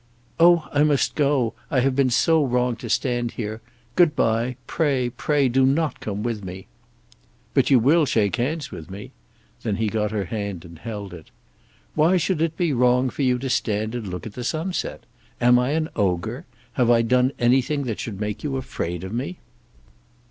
"Oh, I must go; I have been so wrong to stand here. Good bye; pray, pray do not come with me." "But you will shake hands with me." Then he got her hand, and held it. "Why should it be wrong for you to stand and look at the sunset? Am I an ogre? Have I done anything that should make you afraid of me?"